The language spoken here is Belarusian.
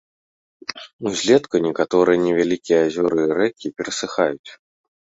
Улетку некаторыя невялікія азёры і рэкі перасыхаюць.